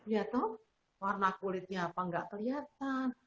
iya toh warna kulitnya apa tidak kelihatan